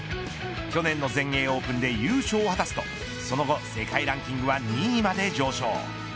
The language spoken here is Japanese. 去年の全米オープンで優勝を果たすと、その後世界ランキングは２位まで上昇。